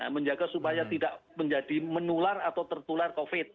menjaga supaya tidak menjadi menular atau tertular covid